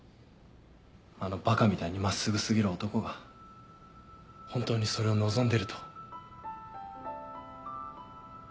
あのバカみたいに真っすぐ過ぎる男が本当にそれを望んでると？